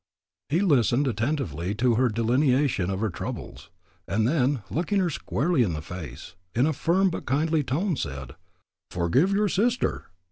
He listened attentively to her delineation of her troubles, and then, looking her squarely in the face, in a firm but kindly tone said: "Forgive your sister."